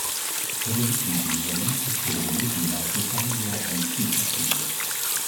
Talalit n Binyamin akked lmut n Meɛǧuṭa i iṛuḥen si Bitil.